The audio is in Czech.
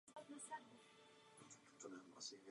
Dříve ve skupině působila také zpěvačka Dionne Bennett.